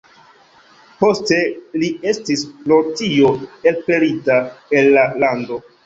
Poste li estis pro tio elpelita el la lando.